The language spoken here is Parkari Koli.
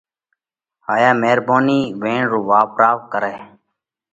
هائِيا ميرڀونِي ويڻ رو واپراوَ ڪرئہ۔